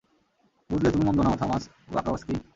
বুঝলে, তুমিও মন্দ নও থমাস ওয়াকাওস্কি।